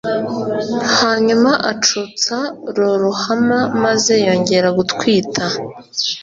Hanyuma acutsa Loruhama maze yongera gutwita